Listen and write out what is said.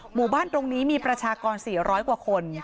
หมู่บ้านตรงนี้มีประชากร๔๐๐กว่าคน